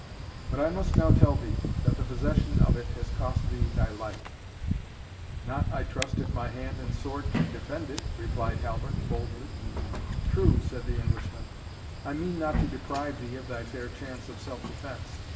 But I must now tell thee, that the possession of it has cost thee thy life." "Not, I trust, if my hand and sword can defend it," replied Halbert, boldly. "True," said the Englishman, "I mean not to deprive thee of thy fair chance of self defence.